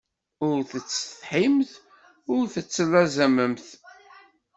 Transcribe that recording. Ur tettsetḥimt ur tettlazamemt.